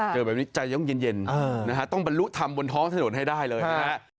เจอแบบนี้ใจต้องเย็นนะฮะต้องบรรลุทำบนท้องถนนให้ได้เลยนะฮะ